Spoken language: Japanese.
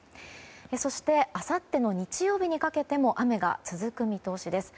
そして、あさっての日曜日にかけても雨が続く見通しです。